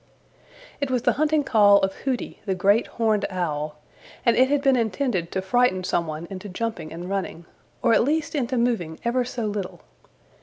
It was the hunting call of Hooty the Great Horned Owl, and it had been intended to frighten some one into jumping and running, or at least into moving ever so little.